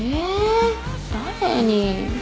誰に。